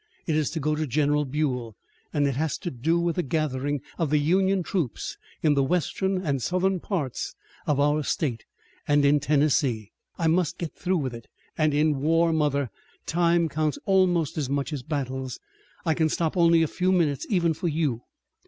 It is to go to General Buell, and it has to do with the gathering of the Union troops in the western and southern parts of our state, and in Tennessee. I must get through with it, and in war, mother, time counts almost as much as battles. I can stop only a few minutes even for you."